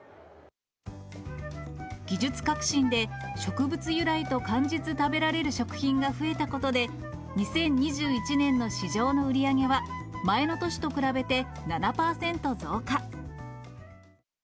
技術革新で、植物由来と感じず食べられる食品が増えたことで、２０２１年の市場の売り上げは、前の年と比べて７％増加。